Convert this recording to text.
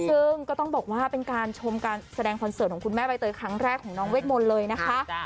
ซึ่งก็ต้องบอกว่าเป็นการชมการแสดงคอนเสิร์ตของคุณแม่ใบเตยครั้งแรกของน้องเวทมนต์เลยนะคะ